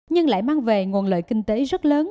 nhưng lại mang về nguồn lợi kinh tế rất lớn